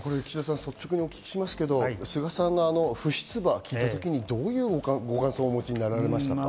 率直に伺いますが菅さんが不出馬を決めたとき、どういうご感想をお持ちになられましたか？